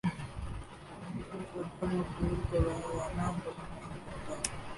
اپنی طرف توجہ مبذول کروانا پسند نہیں کرتا